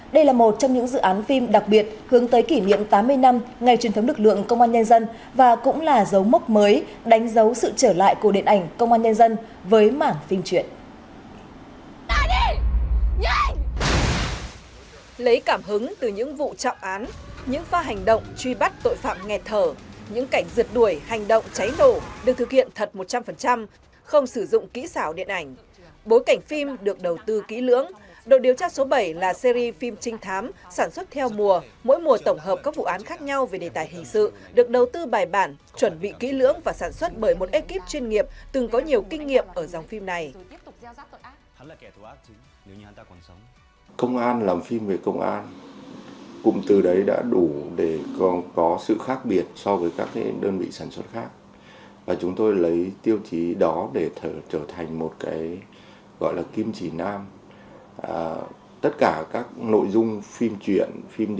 đây là một trong những dự án phim đặc biệt hướng tới kỷ niệm tám mươi năm ngày truyền thống lực lượng công an nhân dân và cũng là dấu mốc mới đánh dấu sự trở lại của điện ảnh công an nhân dân với mảng phim truyện